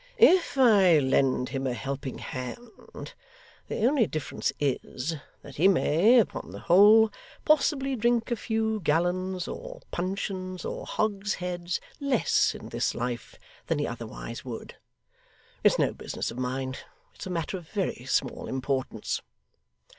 If I lend him a helping hand, the only difference is, that he may, upon the whole, possibly drink a few gallons, or puncheons, or hogsheads, less in this life than he otherwise would. It's no business of mine. It's a matter of very small importance!